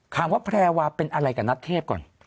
แพรวาเป็นอะไรกับนัทเทพก่อน